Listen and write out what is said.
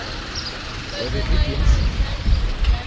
Ndew'ivikie mzinyi.